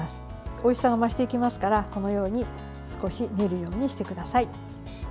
おいしさが増していきますからこのように少し練り練りしてください。